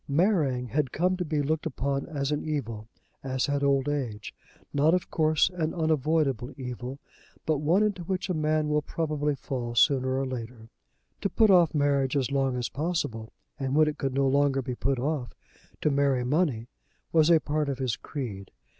Marrying had come to be looked upon as an evil, as had old age; not of course an unavoidable evil, but one into which a man will probably fall sooner or later. To put off marriage as long as possible, and when it could no longer be put off to marry money was a part of his creed.